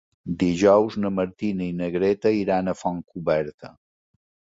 Dijous na Martina i na Greta iran a Fontcoberta.